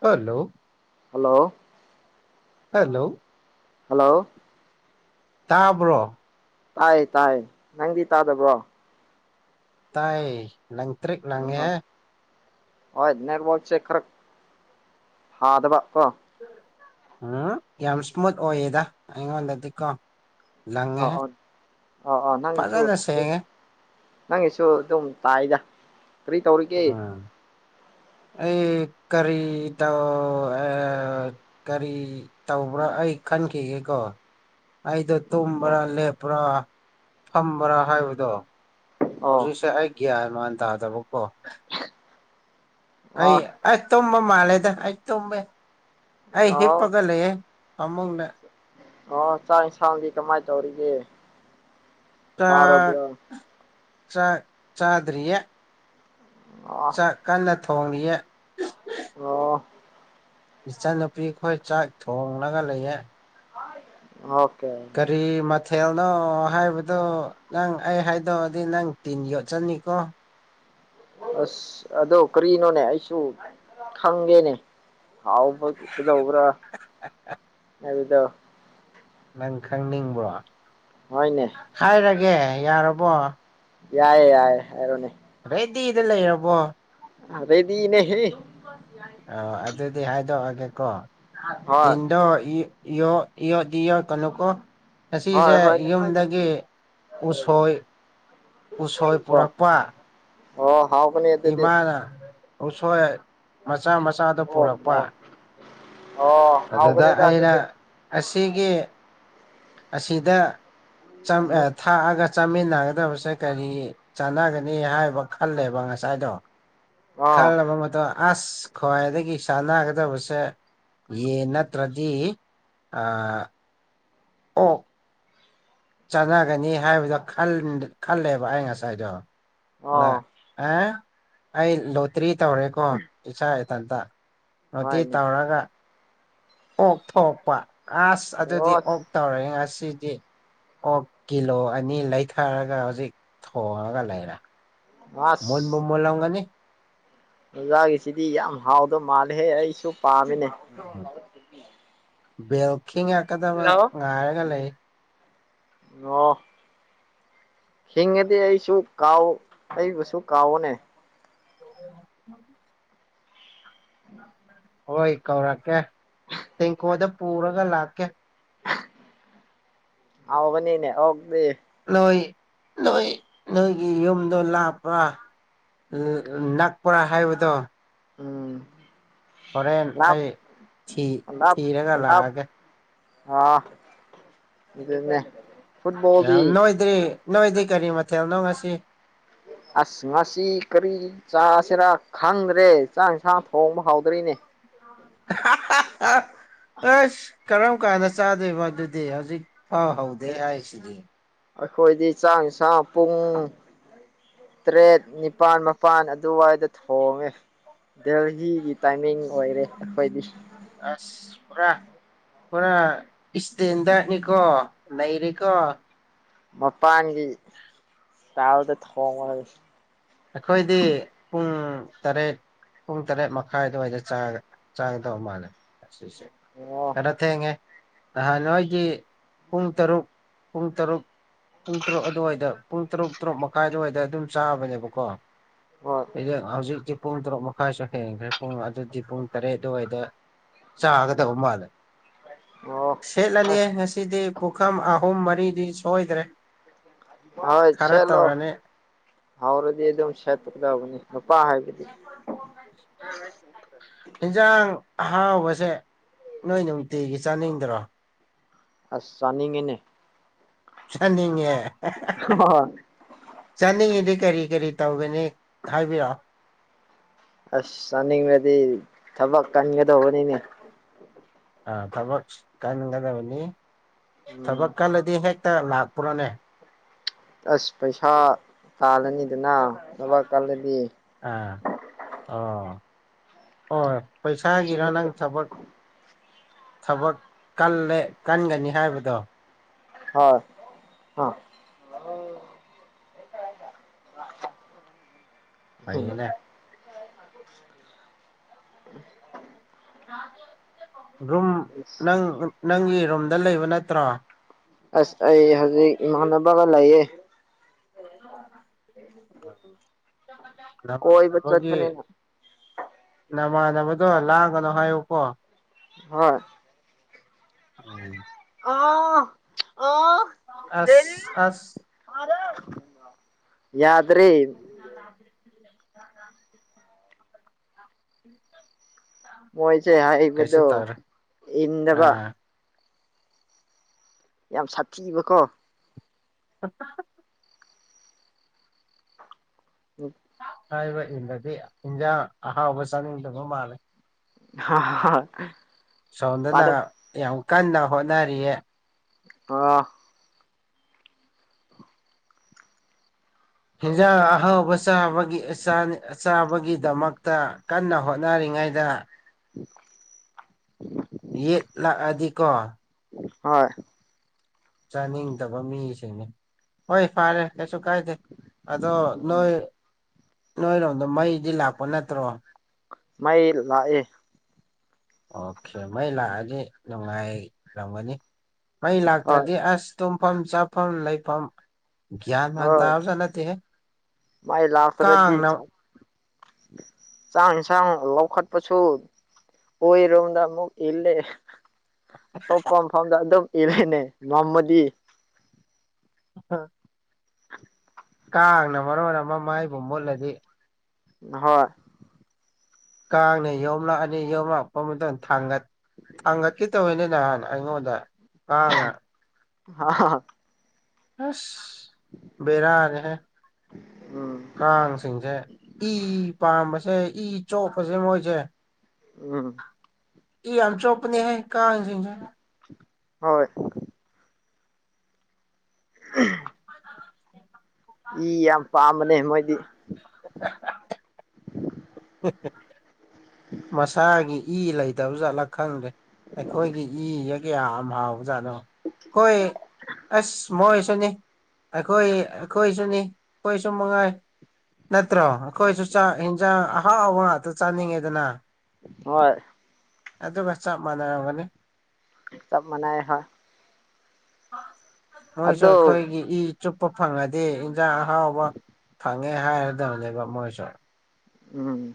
hello hello hello hello ꯇꯥꯕ꯭ꯔꯣ ꯇꯥꯏ ꯇꯥꯏꯌꯦ ꯅꯪꯗꯤ ꯇꯥꯗꯕ꯭ꯔꯣ ꯇꯥꯏ ꯂꯪꯇ꯭ꯔꯤꯛ ꯑ ꯂꯪꯉꯦ ꯍꯣꯏ ꯅꯦꯠꯕꯜꯁꯦ ꯈꯔ ꯍꯥꯥꯗꯕ ꯀꯣ ꯎꯝ ꯌꯥꯝ ꯏꯁꯃꯨꯠ ꯑꯣꯏꯌꯦꯗ ꯑꯩꯉꯣꯟꯗꯗꯤꯀꯣ ꯂꯪꯉꯦ ꯑꯥ ꯑꯥ ꯑꯥ ꯑꯥ ꯅꯪꯉꯁꯨ ꯐꯖꯅ ꯑꯗꯨꯝ ꯁꯦꯡꯉꯦ ꯅꯪꯒꯤꯁꯨ ꯑꯗꯨꯝ ꯇꯥꯏꯗ ꯀꯔꯤ ꯇꯧꯔꯤꯒꯦ ꯎꯝ ꯑꯩ ꯀꯔꯤ ꯇ ꯀꯔꯤ ꯇꯧꯕ꯭ꯔꯣ ꯑꯩ ꯈꯟꯈꯤꯒꯦꯀꯣ ꯑꯩꯗꯣ ꯇꯨꯝꯕ꯭ꯔꯥ ꯑꯣ ꯂꯦꯞꯄ꯭ꯔꯥ ꯐꯝꯕ꯭ꯔꯥ ꯍꯥꯏꯕꯗꯣ ꯑꯣ ꯍꯧꯖꯤꯛꯁꯦ ꯑꯩ ꯒ꯭ꯌꯥꯟ ꯃꯥꯟ ꯇꯥꯗꯕꯀꯣ ꯑꯩ ꯑ [inaudible] ꯇꯨꯝꯕ ꯃꯥꯜꯂꯦꯗ ꯑꯩ ꯇꯨꯝꯃꯦ ꯑꯩ ꯑꯣ ꯍꯤꯞꯄꯒ ꯂꯩꯌꯦ ꯐꯃꯨꯡꯗ ꯑꯣ ꯆꯥꯛ ꯌꯦꯟꯁꯥꯡꯗꯤ ꯀꯃꯥꯏꯅ ꯇꯧꯔꯤꯒꯦ ꯆꯥꯔꯕ꯭ꯔꯣ ꯆ ꯆꯥꯗ꯭ꯌꯥ ꯑꯣ ꯆꯥꯛ ꯀꯟꯅ ꯊꯣꯡꯂꯤꯌꯦ ꯑꯣ ꯏꯆꯟꯅꯨꯄꯤ ꯑꯩꯈꯣꯏ ꯆꯥꯛ ꯊꯣꯡꯂꯒ ꯂꯩꯌꯦ ꯑꯣꯀꯦ ꯀꯔꯤ ꯃ ꯃꯊꯦꯜꯅꯣ ꯍꯥꯏꯕꯗꯣ ꯅꯪ ꯑꯩ ꯍꯥꯏꯗꯣꯛꯑꯗꯤ ꯅꯪ ꯇꯤꯟ ꯌꯣꯠꯆꯅꯤꯀꯣ ꯑꯁ ꯑꯣ ꯀꯔꯤꯅꯣꯅꯦ ꯑꯩꯁꯨ ꯈꯪꯒꯦꯅꯦ ꯍꯥꯎꯕꯗ ꯎꯕ꯭ꯔ ꯅꯕꯤꯗ ꯈꯪꯅꯤꯡꯕ꯭ꯔꯣ ꯍꯣꯏꯅꯦ ꯍꯥꯏꯔꯒꯦ ꯌꯥꯔꯕꯣ ꯌꯥꯏꯑꯦ ꯌꯥꯏꯌꯦ ꯍꯥꯏꯔꯅꯦ ꯍꯦꯗꯤꯗ ꯂꯩꯔꯕꯔꯕꯣ ꯑꯗꯩꯗꯤꯅꯦ ꯍꯦ ꯑ ꯑꯗꯨꯗꯤ ꯍꯥꯏꯗꯣꯛꯑꯒꯦꯀꯣ ꯍꯣꯏ ꯇꯤꯟꯗꯣ ꯌ ꯏ ꯀꯩꯅꯀꯣ ꯍꯣꯏ ꯑꯁꯤꯁꯦ ꯍꯣꯏꯅꯦ ꯍꯣꯏꯅꯦ ꯌꯨꯝꯗꯒꯤ ꯎꯁꯣꯏ ꯎꯁꯣꯏ ꯀꯣ ꯄꯨꯔꯛꯄꯥ ꯑꯣ ꯍꯥꯎ ꯄꯅꯤ ꯌꯦꯠꯇꯦꯗꯤ ꯎꯁꯣꯏ ꯃꯆꯥ ꯃꯆꯥꯗ ꯑꯣ ꯄꯨꯔꯛꯄ ꯑꯣ ꯑꯗꯨꯗ ꯍꯥꯎꯒꯅꯤꯗ ꯑꯩꯅ ꯑꯗꯨꯗꯤ ꯑꯁꯤꯒꯤ ꯑꯁꯤꯗ ꯎꯝ ꯊꯥꯛꯑꯒ ꯆꯥꯃꯤꯟꯅꯒꯗꯕꯁꯦ ꯀꯔꯤ ꯆꯥꯟꯅꯒꯅꯤ ꯍꯥꯏꯕ ꯈꯜꯂꯦꯕ ꯉꯁꯥꯏꯗꯣ ꯈꯔ ꯑꯥꯎ ꯂꯕ ꯃꯠꯇ ꯑꯁ ꯈ꯭ꯋꯥꯏꯗꯒꯤ ꯁꯥꯟꯅꯒꯗꯕꯁꯦ ꯌꯦꯟ ꯅꯠꯇ꯭ꯔꯗꯤ ꯑ ꯑꯥ ꯆꯥꯟꯅꯒꯅꯤ ꯍꯥꯏꯕꯗꯣ ꯈꯜꯂꯦꯕ ꯑꯩ ꯉꯁꯥꯏꯗꯣ ꯑꯗ ꯑꯥꯎ ꯑꯦ ꯑꯩ ꯂꯣꯇ꯭ꯔꯤ ꯇꯧꯔꯦꯀꯣ ꯏꯆꯥ ꯏꯊꯟꯇ ꯑꯗꯨꯇꯤ ꯍꯣꯏꯅꯦ ꯇꯧꯔꯒ ꯑꯣꯛꯊꯄ ꯑꯁ ꯑꯗꯨꯗꯤ ꯑꯣ ꯑꯣꯛ ꯇꯧꯔꯦ ꯉꯁꯤ ꯁꯤꯗꯤ ꯑꯣ ꯀꯤꯂꯣ ꯑꯅꯤ ꯂꯩꯊꯔꯒ ꯍꯧꯖꯤꯛ ꯊꯣꯡꯉꯒ ꯂꯩꯔꯦ ꯃꯣꯣꯟ ꯃ ꯑꯁ ꯃꯣ ꯂꯎꯒꯅꯤ ꯑꯣꯖꯥꯒꯤꯁꯤꯗꯤ ꯌꯥꯝ ꯍꯥꯎꯗꯧ ꯃꯥꯜꯂꯦꯍꯦ ꯑꯩꯁꯨ ꯄꯥꯝꯃꯤꯅꯦ ꯎ ꯦꯜꯈꯀꯗ ꯉꯥꯔꯒ ꯂꯩ ꯑ ꯍꯤꯡꯉꯗꯤ ꯑꯩꯁꯨ ꯀꯥꯎ ꯑꯩꯕꯨꯁꯨ ꯀꯥꯎꯑꯣꯅꯦ [unintelligible] ꯎꯝ ꯍꯣꯏ ꯀꯧꯔꯛꯀꯦ ꯇꯦꯡꯀꯣꯗ ꯄꯨꯔꯒ ꯂꯥꯛꯀꯦ ꯍꯕꯅꯤꯅꯦ ꯍꯗꯤꯦ ꯅꯣꯏ ꯅꯣꯏ ꯅꯣꯏꯒꯤ ꯌꯨꯝꯗꯣ ꯂꯥꯞꯄ꯭ꯔꯥ ꯅꯥꯛꯄꯔꯥ ꯍꯥꯏꯕꯗꯣ ꯎꯝ ꯍꯣꯔꯦꯟ ꯂꯞ ꯑꯩ ꯂꯞ ꯊꯤꯔꯒ ꯂꯞ ꯂꯥꯛꯑꯒꯦ ꯑꯥ ꯑꯗꯨꯃꯦ ꯌꯥ ꯅꯣꯏꯣꯏꯗ꯭ꯔꯤ ꯅꯣꯏꯣꯏꯗꯤꯔꯤ ꯀꯔꯤ ꯃꯊꯦꯜ ꯅꯣꯡ ꯉꯁꯤ ꯑꯁ ꯉꯁꯤ ꯀꯔꯤ ꯆꯥꯥꯁꯔ ꯈꯥꯡ ꯔꯦ ꯆꯆꯥꯡ ꯌꯦꯟꯁꯥꯡ ꯊꯣꯡꯕ ꯍꯧꯥꯎꯗꯣꯏꯅꯦ ꯑꯦꯁ ꯀꯔꯝ ꯀꯥꯟꯗ ꯆꯥꯗꯣꯏꯕ ꯑꯗꯨꯗꯤ ꯍꯧꯖꯤꯛ ꯍꯥꯎ ꯍꯧꯗꯦ ꯑꯁ ꯍꯥꯏꯁꯤꯗꯤ ꯑꯩꯈꯣꯏꯗꯤ ꯆꯥꯡ ꯌꯦꯟꯁꯥꯡ ꯄꯨꯡ ꯇꯔꯦꯠ ꯅꯤꯄꯥꯜ ꯃꯄꯜ ꯑꯗꯨꯋꯥꯏꯗ ꯊꯣꯡꯉꯦ ꯗꯦꯜꯍꯤꯒꯤ ꯇꯥꯏꯃꯤꯡ ꯑꯣꯏꯔꯦ ꯑꯩꯈꯣꯏꯗꯤ ꯑꯁꯄꯥ ꯄꯨꯔꯥ ꯏꯁꯇꯦꯟꯗꯅꯤꯀꯣ ꯂꯩꯩꯔꯤꯦꯀꯣ ꯃꯄꯥꯟꯒꯤ ꯇꯥꯗ ꯊꯣꯡꯉ ꯑꯩꯈꯣꯏꯗꯤ ꯄꯨꯡ ꯄꯨꯡ ꯇꯔꯦꯠ ꯄꯨꯡ ꯇꯔꯦꯠ ꯃꯈꯥꯏ ꯑꯗꯨꯋꯥꯏꯗ ꯆꯥꯒꯗꯧ ꯃꯥꯜꯂꯦ ꯦ ꯑꯣ ꯀꯔꯠꯇ ꯌꯦꯉꯦ ꯅꯍꯥꯟ ꯅꯋꯥꯏꯒꯤ ꯄꯨꯡ ꯇꯔꯨꯛ ꯄꯨꯡ ꯇꯔꯨꯛ ꯄꯨꯡ ꯇꯔꯨꯛ ꯑꯗꯨꯋꯥꯏꯗ ꯄꯨꯡ ꯇꯔꯨꯛ ꯇꯔꯨꯛ ꯃꯈꯥꯏ ꯑꯗꯨꯋꯥꯏꯗ ꯑꯗꯨꯝ ꯆꯥꯕꯅꯦꯕ ꯀꯣ ꯍꯣꯏ ꯍꯧꯖꯤꯛꯇꯤ ꯄꯨꯡ ꯇꯔꯨꯛ ꯃꯈꯥꯏꯁꯨ ꯍꯦꯟꯈ꯭ꯔꯦ ꯄꯨꯡ ꯑꯗꯨꯗꯤ ꯄꯨꯡ ꯇꯔꯦꯠ ꯑꯗꯨꯋꯥꯏꯗ ꯆꯥꯒꯗꯕ ꯃꯥꯜꯂꯦ ꯑꯣ ꯁꯠ ꯑꯅꯤ ꯑꯁ ꯍꯁꯤꯗꯤ ꯄꯨꯈꯥꯝ ꯑ ꯑꯍꯨꯝ ꯃꯔꯤꯗꯤ ꯁꯣꯏꯗ꯭ꯔꯦ ꯍ ꯆꯂꯣ ꯍꯧꯔ ꯍꯖ ꯑꯥꯡ ꯑ ꯍꯥꯎꯕꯁꯦ ꯅꯣꯏ ꯅꯨꯃꯤꯠꯇꯤꯒꯤ ꯆꯥꯅꯤꯡꯗꯔꯣ ꯑꯁ ꯆꯥꯅꯤꯡꯉꯤꯅꯦ ꯆꯥꯅꯤꯡꯉꯦ ꯆꯠꯅꯤꯡꯉꯤꯗꯤ ꯀꯔꯤ ꯀꯔꯤ ꯇꯧꯒꯅꯤ ꯍꯥꯏꯕꯤꯔꯛꯑꯣ ꯑꯁ ꯆꯥꯅꯤꯡꯕꯗꯤ ꯊꯕꯛ ꯀꯟꯒꯗꯧꯕꯅꯤꯅꯦ ꯑ ꯊꯕ ꯀꯥꯏꯅ ꯀꯥꯏꯗꯕꯅꯤ ꯎꯝ ꯗꯤ ꯍꯦꯛꯇ ꯂꯥꯛꯄ꯭ꯔꯅꯦ ꯑꯁ ꯄꯩꯁꯥ ꯇꯥꯜꯂꯅꯤꯗꯅ ꯂꯕꯥꯥꯛ ꯀꯜꯗꯤ ꯑꯥ ꯑꯣ ꯄꯩꯁꯥꯒꯤꯔ ꯍꯣꯏ ꯅꯪ ꯊꯕꯠ ꯊꯕꯛ ꯀ ꯀꯟꯒꯅꯤ ꯍꯥꯏꯕꯗꯣ ꯍꯣꯏ ꯑ ꯍꯝ ꯐꯩꯅꯦ ꯔꯨꯝ ꯅ ꯅꯪꯒꯤ ꯔꯨꯝꯗ ꯂꯩꯕ ꯅꯠꯇ꯭ꯔꯣ ꯑꯁ ꯑꯩ ꯍꯧꯖꯤꯛ ꯃꯅꯕꯥꯒꯂꯏꯌꯦ [unintelligible] ꯀꯣꯏꯕ ꯆꯠꯄꯅꯦꯅ ꯅꯃꯥꯟꯅꯕꯗꯣ ꯂꯥꯛꯒꯅꯣ ꯍꯥꯏꯌꯨꯀꯣ ꯍꯣꯏ ꯎꯝ ꯑꯁ ꯑꯁ ꯌꯥꯗ꯭ꯔꯦ ꯍ ꯎꯝ ꯃꯣꯏꯁꯦ ꯍꯥꯏꯩꯕꯗꯣ ꯏꯟꯗꯕ ꯑꯥ ꯌꯥꯝ ꯁꯥꯊꯤꯕꯀꯣ ꯑ ꯍꯥꯏꯔꯤꯕ ꯏꯟꯗꯗꯤ ꯏꯟꯖꯥꯡ ꯑꯍꯥꯎꯕ ꯆꯥꯅꯤꯡꯗꯕ ꯃꯥꯜꯂꯦ ꯑ ꯁꯣꯟꯝꯗꯅ ꯌꯥꯝ ꯀꯟꯅ ꯍꯣꯠꯅꯔꯤꯌꯦ ꯑꯥ ꯍꯤꯟꯖꯥꯡ ꯑꯍꯥꯎꯕ ꯆꯥꯕꯒꯤ ꯑ ꯆꯥꯕꯒꯤꯗꯃꯛꯇ ꯀꯟꯅ ꯍꯣꯠꯅꯔꯤ ꯉꯥꯏꯗ [unintelligible] ꯌꯦꯠ ꯂꯥꯛꯑꯗꯤꯀꯣ ꯍꯣꯏ ꯆꯥꯅꯤꯡꯗꯕ ꯃꯤꯁꯤꯡꯅꯤ ꯍꯣꯏ ꯐꯔꯦ ꯀꯩꯁꯨ ꯀꯥꯏꯗꯦ ꯑꯗꯣ ꯅꯣꯏ ꯅꯣꯏꯔꯣꯝꯗ ꯃꯩꯗꯤ ꯂꯥꯛꯄ ꯅꯠꯇ꯭ꯔꯣ ꯃꯥꯏ ꯂꯥꯛꯑ ꯑꯣꯀꯦ ꯃꯩ ꯂꯥꯛꯑꯗꯤ ꯅꯨꯡꯉꯥꯏꯔꯝꯒꯅꯤ ꯃꯩ ꯍꯣꯏ ꯂꯥꯛꯇ꯭ꯔꯗꯤ ꯑꯁ ꯇꯨꯝꯐꯝ ꯆꯥꯐꯝ ꯂꯩꯐꯝ ꯭ꯌꯥꯟ ꯃꯥꯟꯇ ꯍꯣꯏ ꯑꯥꯎꯖꯅꯠꯇ ꯀꯅ ꯆꯥꯡꯁꯥꯡ ꯂꯧꯈꯠ ꯄꯁꯨ ꯑꯣꯏꯔꯣꯝꯗꯃꯨꯛ ꯏꯜꯂꯦ ꯑꯇꯣꯞꯄ ꯃꯐꯝꯗ ꯑꯗꯨꯝ ꯏꯔꯦꯅꯦ ꯉꯝꯃꯗꯤ ꯑ ꯀꯥꯡꯅ ꯃꯔꯣꯟ ꯑꯃ ꯃꯥꯏꯕꯨ ꯃꯨꯠꯂꯗꯤ ꯍꯣꯏ ꯀꯥꯡꯅ ꯌꯣꯝꯂꯛꯑꯅꯤ ꯌꯣꯝꯂꯛꯄ ꯃꯇꯨꯡ ꯊꯥꯡꯒꯠꯈꯤ ꯇꯧꯕꯅꯤ ꯅꯍꯥꯟ ꯑꯩꯉꯣꯟꯗ ꯀꯥꯉ ꯍꯥ ꯑꯁ ꯕꯦꯔꯥꯔꯦ ꯍꯥꯏꯦ ꯎꯝ ꯀꯥꯡꯁꯤꯡꯁꯦ ꯏ ꯄꯥꯝꯕꯁꯦ ꯏ ꯆꯣꯞꯄꯁꯦ ꯃꯣꯏꯁꯦ ꯎꯝ ꯏ ꯑ ꯆ ꯑꯣꯄꯅꯤ ꯍꯥꯏ ꯀ ꯍꯣꯏ [inaudible] ꯏ ꯌꯥꯝ ꯄꯥꯝꯕꯅꯦ ꯃꯣꯏꯗꯤ [inaudible] ꯎ ꯃꯁꯥꯒꯤ ꯏ ꯂꯩꯇꯕ ꯆꯠꯂ ꯈꯪꯗ꯭ꯔꯦ ꯑꯩꯈꯣꯏꯒꯤ ꯏꯒ ꯀꯌꯥ ꯑꯃ ꯍꯥꯎꯕꯖꯥꯠꯅꯣ ꯑꯩꯈꯣꯏ ꯑꯁ ꯃꯣꯏꯁꯨꯅꯦ ꯑꯩꯈꯣꯏ ꯑꯩꯈꯣꯏꯁꯨꯅꯤ ꯑꯩꯈꯣꯏꯁꯨ ꯃꯅꯨꯡꯉꯥꯏ ꯅꯠꯇ꯭ꯔꯣ ꯑꯩꯈꯣꯏꯁꯨ ꯌꯦꯟꯖꯥꯡ ꯑꯍꯥꯎꯕ ꯉꯥꯛꯇ ꯆꯥꯅꯤꯡꯉꯦꯗꯅ ꯍꯣꯏ ꯑꯗꯨꯒ ꯆꯞ ꯃꯥꯟꯅꯔꯝꯒꯅꯤ ꯆꯕ ꯃꯅꯥꯏ ꯍ ꯃꯣꯏꯁꯨ ꯑꯩꯈꯣꯏꯒꯤ ꯏ ꯆꯨꯞꯄ ꯐꯪꯉꯗꯤꯦ ꯑꯍꯥꯎꯕ ꯐꯪꯉꯦ ꯍꯥꯏꯔꯗꯕꯅꯦꯕ ꯃꯣꯏꯁꯨ ꯎꯝ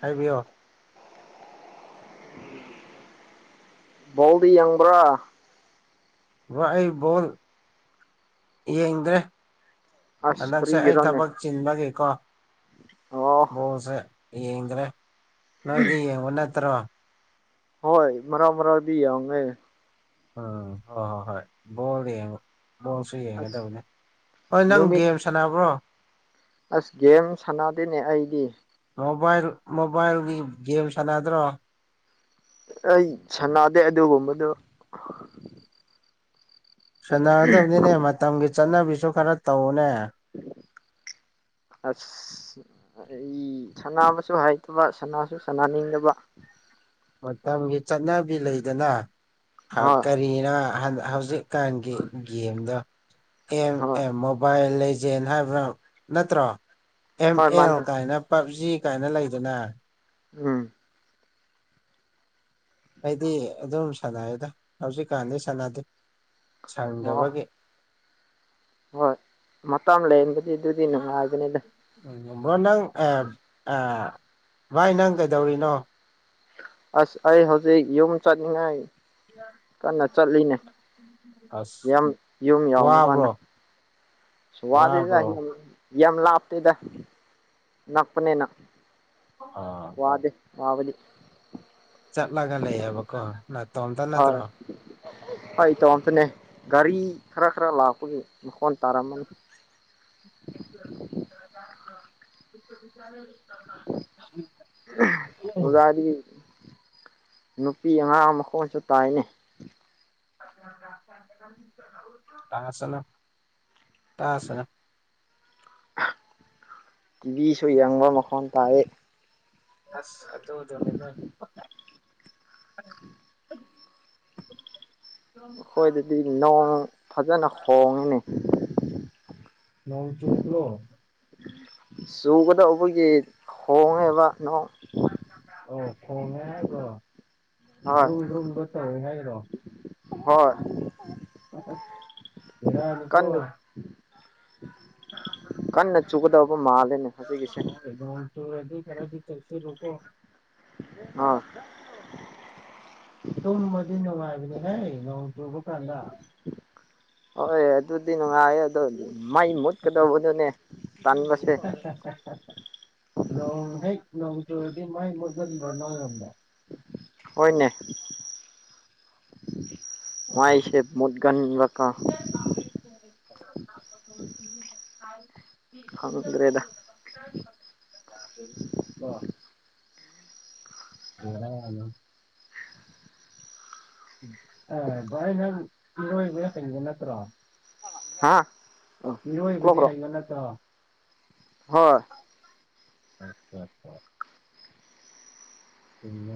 ꯍꯥꯏꯕꯤꯌꯣ ꯥꯎꯗꯤ ꯌꯥꯡꯕ꯭ꯔꯥ ꯋꯥꯏꯕꯣꯜ ꯌꯦꯡꯗ꯭ꯔꯦ ꯑꯁ ꯍꯟꯗꯛꯁꯦ ꯑꯩ ꯀꯔꯤꯒꯤꯔꯣꯅꯦ ꯊꯕꯛ ꯆꯤꯟꯕꯒꯤꯀꯣ ꯑꯣ ꯕꯣꯁꯦ ꯌꯦꯡꯗ꯭ꯔꯦ ꯅꯣꯏꯗꯤ ꯌꯦꯡꯕ ꯅꯠꯇ꯭ꯔꯣ ꯍꯣꯏ ꯃꯔ ꯃꯔꯕꯤ ꯌꯥꯃꯦ ꯎꯝ ꯍ ꯍꯣ ꯍꯣꯏꯣꯜꯂꯤ ꯃꯑꯣꯡꯁꯨ ꯑꯁ ꯌꯦꯡꯒꯗꯕꯅꯦ ꯍꯣꯏ ꯅꯪ ꯅꯨꯃꯤꯠ ꯒꯦꯝ ꯁꯥꯟꯅꯕ꯭ꯔꯣ ꯑꯁ ꯒꯦꯝ ꯁꯥꯟꯅꯗꯦꯅꯦ ꯑꯩꯗꯤ ꯃꯣꯕꯥꯏꯜ ꯃꯣꯕꯥꯏꯜꯒꯤ ꯒꯦꯝ ꯁꯥꯟꯅꯗ꯭ꯔꯣ ꯑꯩ ꯁꯥꯟꯅꯗꯦ ꯑꯗꯨꯒꯨꯝꯕꯗꯣ ꯁꯥꯟꯅꯔꯗꯕꯅꯤꯅꯦ ꯃꯇꯝꯒꯤ ꯆꯠꯅꯕꯤꯁꯨ ꯈꯔ ꯇꯎꯅꯦ ꯑ ꯑꯩ ꯁꯅꯕꯁꯨ ꯍꯩꯇꯕ ꯁꯅꯥꯁꯨ ꯁꯅꯥꯅꯤꯡꯗꯕ ꯃꯇꯝꯒꯤ ꯆꯠꯅꯕꯤ ꯂꯩꯗꯅ ꯍꯣꯏ ꯀꯔꯤꯅ ꯍꯧꯖꯤꯛ ꯀꯥꯟꯒꯤ ꯒꯦꯝꯗ ꯑꯦꯝ ꯍꯣꯏ ꯃꯣꯕꯥꯏꯜ ꯂꯩ ꯍꯥꯏꯕ ꯅꯠꯇ꯭ꯔꯣ ꯑ ꯍꯣꯏ ꯑꯦ ꯃꯥꯅꯦ ꯀꯥꯏꯅ ꯁꯤ ꯀꯥꯏꯅ ꯂꯩꯗꯅ ꯎꯝ ꯑꯩꯗꯤ ꯑꯗꯨꯝ ꯁꯥꯟꯅꯩꯗ ꯍꯧꯖꯤꯛꯀꯥꯟꯗꯤ ꯁꯥꯟꯅꯗꯦ ꯑꯣ ꯁꯪꯗꯕꯒꯦ ꯍꯣꯏ ꯃꯇꯝ ꯂꯩꯔꯝꯕꯗꯤ ꯑꯗꯨꯗꯤ ꯅꯨꯡꯉꯥꯏꯕꯅꯤꯗ [unintelligible] ꯅꯪ ꯑꯥ ꯑꯥ ꯚꯥꯏ ꯅꯪ ꯀꯩꯗꯧꯔꯤꯅꯣ ꯑꯁ ꯑꯩ ꯍꯧꯖꯤꯛ ꯌꯣꯝ ꯆꯅꯤꯉ ꯀꯟꯅ ꯆꯠꯂꯤꯅꯦ ꯑꯁ ꯌꯥꯝ ꯌꯨꯝ ꯌꯥꯎꯅꯕꯅ ꯋꯥꯕ꯭ꯔꯣ [inaudible] ꯁ꯭ꯋꯥꯗꯗ ꯋꯥꯕ꯭ꯔꯣ ꯌꯥꯝ ꯌꯥꯝ ꯂꯥꯞꯇꯦꯗ ꯅꯛꯄꯅꯤꯅ ꯑꯥ ꯃꯥꯎꯂꯤ ꯆꯠꯂꯒ ꯂꯩꯌꯦꯕꯀꯣ ꯅꯠꯇꯣ ꯑꯝꯇ ꯅꯠꯇ꯭ꯔꯣ ꯍ ꯏ ꯇꯣ ꯑꯝꯇꯅꯦ ꯒꯥꯔꯤ ꯈꯔ ꯈꯔ ꯂꯥꯛꯄꯒꯤ ꯃꯈꯣꯟ ꯇꯔꯥꯃꯟ [inaudible] ꯎꯖꯔꯤ ꯅꯨꯄꯤ ꯑꯉꯥꯡ ꯃꯈꯣꯡꯁꯨ ꯇꯥꯏꯅꯤ ꯇꯥꯁꯅ ꯇꯥ ꯑꯁꯅ ꯇꯤꯚꯤꯁꯨ ꯌꯦꯡꯕ ꯃꯈꯣꯟ ꯇꯥꯏ ꯑꯁ ꯑꯗ ꯃꯦꯗ [inaudible] ꯑꯩꯈꯣꯏꯗꯗꯤ ꯅꯣꯡ ꯐꯖꯅ ꯍꯣꯡꯉꯤꯅꯤ ꯅꯣꯡ ꯆꯕ꯭ꯔꯣ ꯆꯨꯒꯗꯧꯕꯒꯤ ꯍꯣꯡꯉꯦꯕ ꯅꯣꯡ ꯑꯣ ꯐꯣꯡꯅꯦꯕꯣ ꯍꯣꯏ ꯭ꯔꯨꯜ ꯭ꯔꯨꯨꯝꯒ ꯆꯥꯎꯏ ꯍ ꯑꯣ ꯍꯣꯏ ꯃꯔ ꯑꯗꯨ ꯀꯟꯅ ꯊ ꯀꯟꯅ ꯆꯨꯒꯗꯕꯕ ꯃꯥꯜꯂꯦꯅꯦ ꯍꯧꯖꯤꯒꯤꯁꯦ ꯁꯔꯗꯤ ꯀꯔꯗꯤ ꯆꯠꯁꯤ ꯔꯣꯀꯣ ꯑꯣꯥ ꯇꯨꯝ ꯃꯗꯤ ꯅꯨꯡꯉꯥꯏꯕꯅꯦ ꯍꯥꯏ ꯅꯣꯡ ꯆꯕ ꯀꯥꯟꯗ ꯍꯣꯏ ꯑꯗꯨꯗꯤ ꯅ ꯉ ꯑꯗꯨꯗꯣꯗꯤ ꯃꯥꯏ ꯃꯨꯠꯀꯗꯧꯕꯗꯨꯅꯦ ꯇꯥꯟꯕꯁꯦ ꯅꯠꯇ ꯍꯥꯏꯗꯤ ꯃꯥꯏ ꯃꯒꯗ ꯂꯅ ꯍꯅꯦ ꯃꯥꯏꯁꯦ ꯃꯣꯗꯒꯥꯟ ꯂꯀ ꯈꯪꯗ꯭ꯔꯦꯗ [unintelligible] [unintelligible] ꯑ ꯚꯥꯏꯅ ꯏꯅꯤꯡ ꯅꯠꯇ꯭ꯔꯣ ꯍꯥ ꯏꯔꯣꯏꯕꯥꯗꯤ ꯀ꯭ꯂꯣꯛꯔꯣ ꯍꯩꯕꯣ ꯅꯠꯇ꯭ꯔꯣ ꯍꯣꯏ ꯑꯥ ꯎꯝ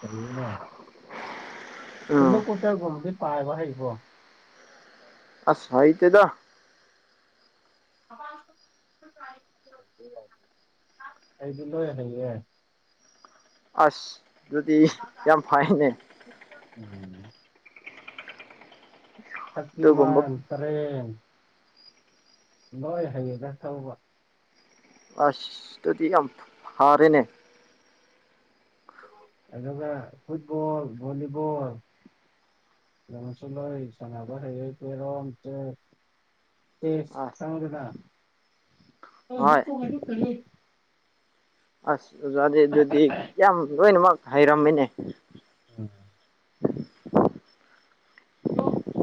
ꯀꯩꯅ ꯍꯩꯅꯂꯣ ꯎꯝ ꯀꯣꯠꯇꯦꯜ ꯝꯗꯤ ꯄꯥꯏꯕ ꯍꯥꯏꯔꯤꯕ ꯑꯁꯁ ꯏ ꯇꯗ ꯑꯥ ꯑꯥ ꯑꯩꯕꯨ ꯂꯌꯦ ꯑꯁ ꯑꯗꯨꯗꯤ ꯌꯥꯝ ꯐꯥꯏꯅꯦ ꯎꯝ ꯑꯗꯨꯒꯨꯝꯕ ꯁꯤꯃꯥꯟ ꯇꯔꯦꯦꯟ ꯂꯣꯏ ꯍꯌꯦꯡꯒ ꯊꯧꯕ ꯑꯁꯗꯤ ꯌꯥꯝ ꯌꯥꯝ ꯐꯥꯔꯅꯦ ꯑꯗꯨꯒ ꯐꯨꯠꯕꯣꯜ ꯚꯣꯂꯤꯕꯣꯜ ꯁꯨꯂꯣ ꯆꯉꯔ ꯄꯔꯣꯝ ꯑ‌ꯦꯁ ꯑꯁ ꯅꯪꯗꯤꯅꯥ ꯍꯣꯏ ꯑꯁ ꯑꯣꯖꯥꯗꯤ ꯑꯗꯨꯗꯤ ꯌꯥꯝ ꯂꯣꯏꯅꯃꯛ ꯍꯩꯔꯝꯃꯤꯅꯦ ꯎꯝ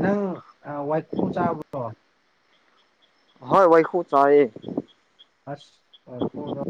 ꯅꯪ ꯋꯥꯏꯈꯨ ꯆꯥꯕ꯭ꯔꯣ ꯍꯣꯏ ꯋꯥꯏ ꯁꯨ ꯆꯥꯏ ꯑꯁ ꯀꯣꯗ